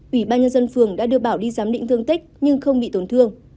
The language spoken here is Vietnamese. ủy ban nhân dân phường đã đưa bảo đi giám định thương tích nhưng không bị tổn thương